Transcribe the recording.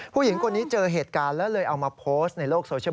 ผู้หญิงคนนี้เจอเหตุการณ์แล้วเลยเอามาโพสต์ในโลกโซเชียล